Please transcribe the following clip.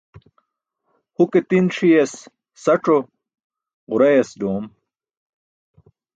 Huke ti̇n ṣi̇yas sac̣o, ġurayas ḍoom.